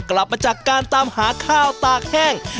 กลับเข้าสู่รายการออบาตอร์มาหาสนุกกันอีกครั้งครับ